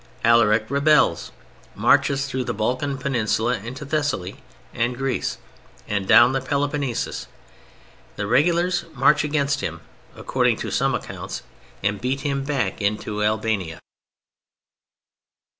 Alaric rebels, marches through the Balkan Peninsula into Thessaly and Greece, and down into the Peloponesus; the regulars march against him (according to some accounts) and beat him back into Albania.